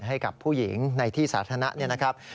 ให้กับผู้หญิงในที่สาธารณะเนี่ยนะครับ